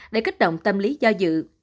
để kích động tâm lý do dự